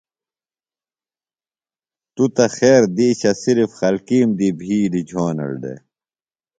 توۡ تہ خیر دیشہ صرفِ خلکیم دی بھیلیۡ جھونڑ دےۡ۔